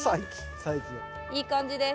いい感じです。